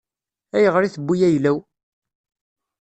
Ayɣer i tewwi ayla-w?